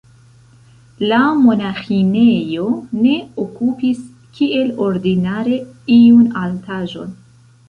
La monaĥinejo ne okupis, kiel ordinare, iun altaĵon.